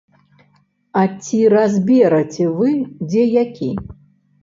І ці разбераце вы, дзе які?